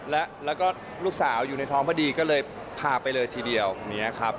แล้วก็ลูกสาวอยู่ในท้องพอดีก็เลยพาไปเลยทีเดียวอย่างนี้ครับ